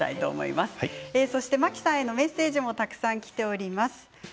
真木さんへのメッセージもたくさんきています。